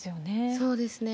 そうですね。